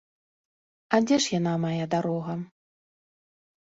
А дзе ж яна, мая дарога?